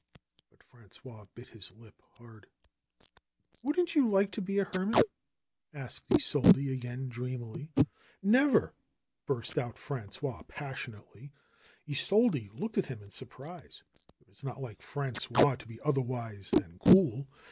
But Frangois bit his lip hard. '^WouldnT you like to be a hermit?" asked Isolde again dreamily. ^'Never !" burst out Frangois passionately. Isolde looked at him in surprise. It was not like Frangois to be otherwise than cool.